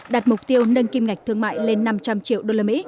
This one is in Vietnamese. đạt mục tiêu nâng kim ngạch thương mại lên năm trăm linh triệu usd